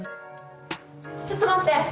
ちょっと待って！